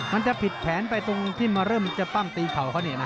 มันจะผิดแผนไปตรงที่มาเริ่มจะปั้งตีเข่าเขาเนี่ยนะ